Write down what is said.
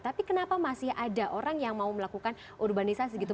tapi kenapa masih ada orang yang mau melakukan urbanisasi gitu